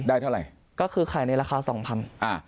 เท่าไหร่ก็คือขายในราคาสองพันอ่า